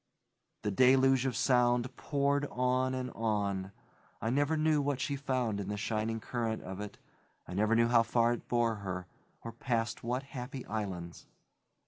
The deluge of sound poured on and on; I never knew what she found in the shining current of it; I never knew how far it bore her, or past what happy islands.